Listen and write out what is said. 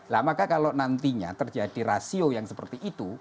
nah maka kalau nantinya terjadi rasio yang seperti itu